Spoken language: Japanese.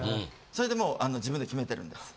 それでもう自分で決めてるんです。